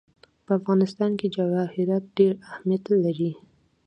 په افغانستان کې جواهرات ډېر اهمیت لري.